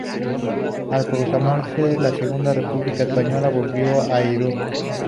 Al proclamarse la Segunda República Española, volvió a Irún.